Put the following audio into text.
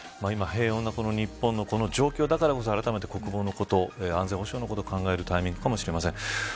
今、平穏なこの日本の状況だからこそあらためて国防のこと安全保障のこと考えるタイミングかもしれません。